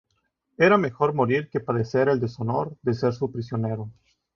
Era mejor morir que padecer el deshonor de ser su prisionero.